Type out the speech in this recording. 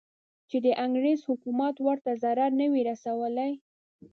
چې د انګریز حکومت ورته ضرر نه وي رسولی.